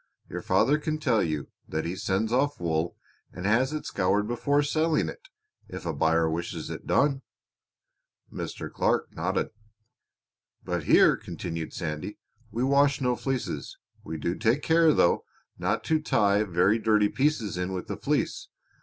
Your father can tell you that he sends off wool and has it scoured before selling it if a buyer wishes it done." Mr. Clark nodded. "But here," continued Sandy, "we wash no fleeces. We do take care, though, not to tie very dirty pieces in with the fleece.